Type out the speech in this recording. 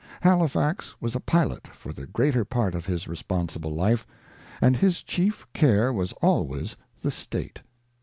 Halifax was a pilot for the greater part of his responsible life, and his chief care was always the State.